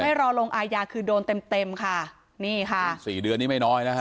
ไม่รอลงอายาคือโดนเต็มเต็มค่ะนี่ค่ะสี่เดือนนี้ไม่น้อยนะฮะ